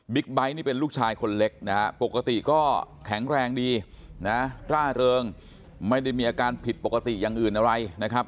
ไบท์นี่เป็นลูกชายคนเล็กนะฮะปกติก็แข็งแรงดีนะร่าเริงไม่ได้มีอาการผิดปกติอย่างอื่นอะไรนะครับ